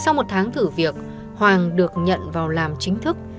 sau một tháng thử việc hoàng được nhận vào làm chính thức